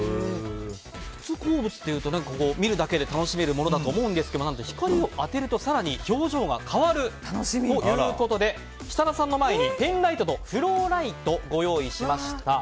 普通、鉱物っていうと見るだけで楽しめるものだと思うんですけど光を当てると更に表情が変わるということで設楽さんの前にペンライトとフローライトをご用意しました。